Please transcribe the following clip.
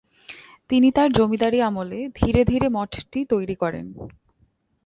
তিনি তার জমিদারী আমলে ধীরে ধীরে মঠটি তৈরি করেন।